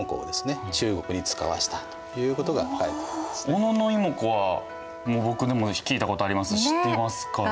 小野妹子は僕でも聞いたことありますし知ってますから。